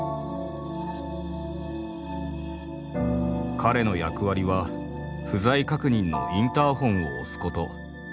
彼の役割は、不在確認のインターホンを押すこと。